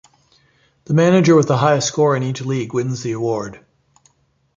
The manager with the highest score in each league wins the award.